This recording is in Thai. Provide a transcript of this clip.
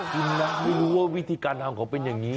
กินนะไม่รู้ว่าวิธีการทำเขาเป็นอย่างนี้